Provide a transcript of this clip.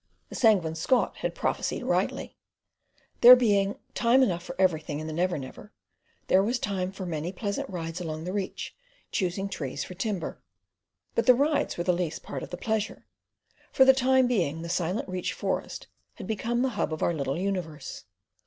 The Sanguine Scot had prophesied rightly. There being "time enough for everything in the Never Never," there was time for "many pleasant rides along the Reach, choosing trees for timber." But the rides were the least part of the pleasure. For the time being, the silent Reach forest had become the hub of our little universe.